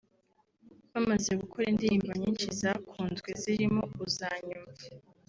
Bamaze gukora indirimbo nyinshi zakunzwe zirimo ‘Uzanyumva’